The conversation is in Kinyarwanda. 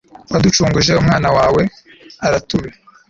waducunguje umwana wawe, aratube